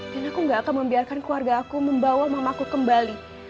dan aku enggak akan membiarkan keluarga aku membawa mamaku kembali